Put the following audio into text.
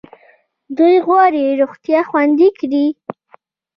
دوی غواړي روغتیا خوندي کړي.